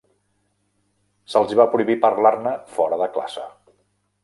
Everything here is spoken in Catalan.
Se'ls hi va prohibir parlar-ne fora de classe.